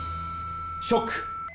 ショック！